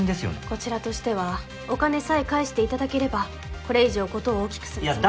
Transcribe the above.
こちらとしてはお金さえ返して頂ければこれ以上事を大きくするつもりは。